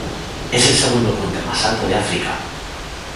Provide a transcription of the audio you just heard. Es el segundo puente más alto de África.